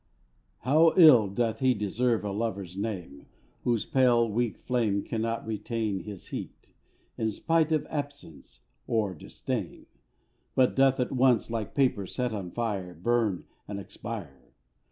HOW ill doth lie deserve a Lover's name Whose pale weak flame Cannot retain His heat, in spite of absence or disdain ; But doth at once, like paper set on fire, Burn and expire